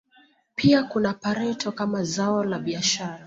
Pia kuna pareto kama zao la biashara